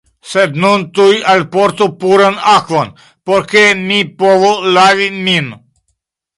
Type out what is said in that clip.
Sed nun tuj alportu puran akvon, por ke mi povu lavi min.